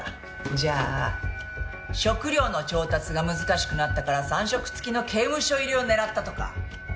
じゃあ食料の調達が難しくなったから３食付きの刑務所入りを狙ったとか？